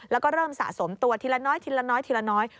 แล้วก็เริ่มสะสมตัวทีละน้อยทีละน้อยทีละน้อย